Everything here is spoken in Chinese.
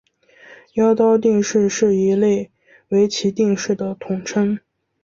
妖刀定式是一类围棋定式的统称。